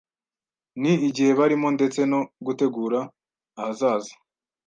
ni igihe barimo ndetse no gutegura ahazaza